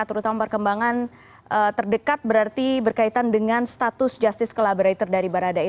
terutama perkembangan terdekat berarti berkaitan dengan status justice collaborator dari mbak radha e